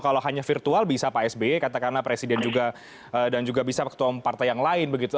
kalau hanya virtual bisa pak sby katakanlah presiden juga dan juga bisa ketua partai yang lain begitu